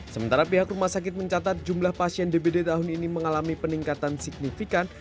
sementara pihak rumah sakit mencatat jumlah pasien dbd tahun ini mengalami peningkatan signifikan